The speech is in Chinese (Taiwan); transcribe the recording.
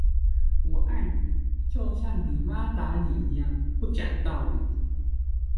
我愛你，就像你媽打你一樣，不講道理